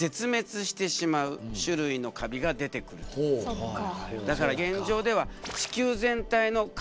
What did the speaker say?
そっか。